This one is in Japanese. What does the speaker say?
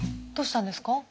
どうしたんですか？